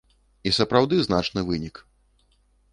І сапраўды значны вынік.